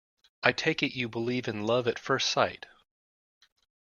I take it you believe in love at first sight?